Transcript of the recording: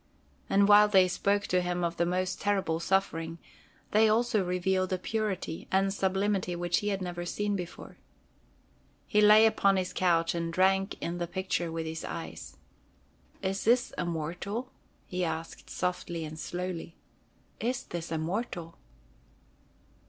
And while they spoke to him of the most terrible suffering, they also revealed a purity and sublimity which he had never seen before. He lay upon his couch and drank in the picture with his eyes. "Is this a mortal?" he said softly and slowly. "Is this a mortal?"